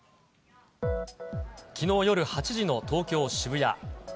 きのう夜８時の東京・渋谷。